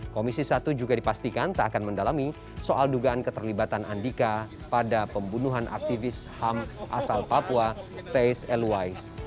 komisi satu juga dipastikan tak akan mendalami soal dugaan keterlibatan andika pada pembunuhan aktivis ham asal papua tace elways